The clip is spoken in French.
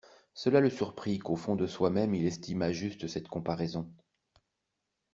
Cela le surprit qu'au fond de soi-même il estimât juste cette comparaison.